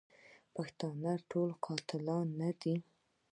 پښتانه ټول قاتلان نه دي.